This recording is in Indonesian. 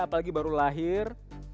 apalagi baru lahir